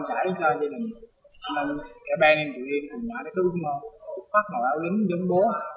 phát hòa áo lính giống bố